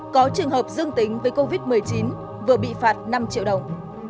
có trường hợp dương tính với covid một mươi chín vừa bị phạt năm triệu đồng